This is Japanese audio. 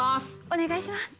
お願いします。